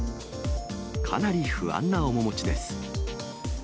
かなり不安な面持ちです。